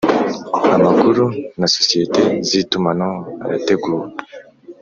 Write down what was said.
amakuru na sosiyete zitumanaho arateguwe